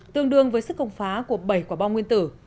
tương đương với sức công phá của bảy quả bom nguyên tử